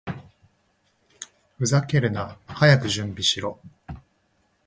ふざけるな！早く準備しろ！